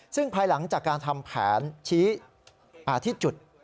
ซึ่งภายหลังจากการทำแผนชี้อาทิตย์